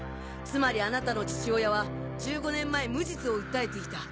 つまりあなたの父親は１５年前無実を訴えていた。